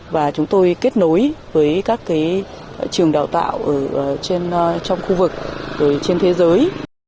và chúng tôi kết nối với các trường đào tạo trong khu vực trên thế giới